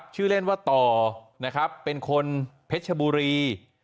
ชื่อเล่นว่าต่อเป็นคนเพชรบุรี